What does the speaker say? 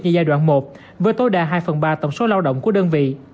như giai đoạn một với tối đa hai phần ba tổng số lao động của đơn vị